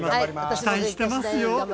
期待してますよ。